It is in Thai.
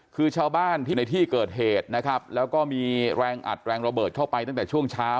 คือชาวบ้านที่ในที่เกิดเหตุนะครับแล้วก็มีแรงอัดแรงระเบิดเข้าไปตั้งแต่ช่วงเช้า